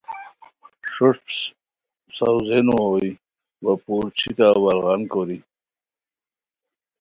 ݰوݰپ ساؤزئینو ہوئے وا پورچھیکہ کا ورغان کوری